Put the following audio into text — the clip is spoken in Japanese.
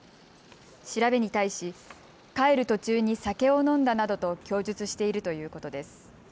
調べに対し帰る途中に酒を飲んだなどと供述しているということです。